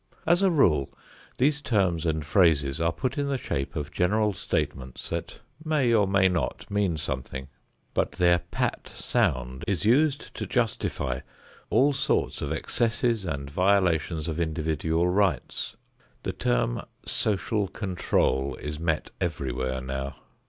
As a rule, these terms and phrases are put in the shape of general statements that may or may not mean something; but their "pat" sound is used to justify all sorts of excesses and violations of individual rights. The term "social control" is met everywhere now.